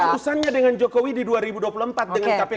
urusannya dengan jokowi di dua ribu dua puluh empat dengan kpk